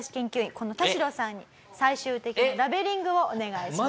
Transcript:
このタシロさんに最終的なラベリングをお願いします。